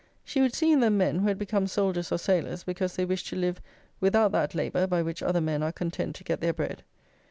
She would see in them men who had become soldiers or sailors because they wished to live without that labour by which other men are content to get their bread.